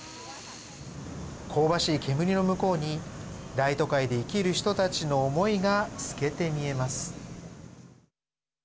香ばしい煙の向こうに大都会で生きる人たちの思いが透けて見えます。